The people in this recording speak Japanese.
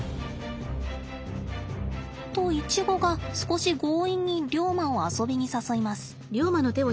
とイチゴが少し強引にリョウマを遊びに誘います。